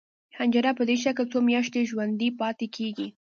حجره په دې شکل څو میاشتې ژوندی پاتې کیږي.